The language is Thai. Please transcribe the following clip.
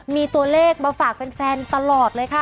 มีตัวเลขมาฝากแฟนตลอดเลยค่ะ